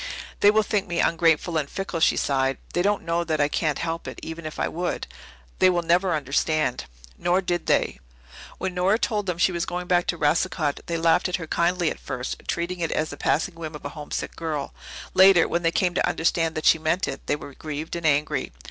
"They will think me ungrateful and fickle," she sighed. "They don't know that I can't help it even if I would. They will never understand." Nor did they. When Nora told them that she was going back to Racicot, they laughed at her kindly at first, treating it as the passing whim of a homesick girl. Later, when they came to understand that she meant it, they were grieved and angry.